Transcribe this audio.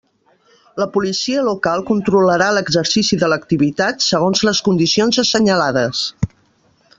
La Policia Local controlarà l'exercici de l'activitat segons les condicions assenyalades.